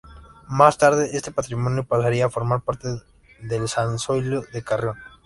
Más tarde este patrimonio pasaría a formar parte del de San Zoilo de Carrión.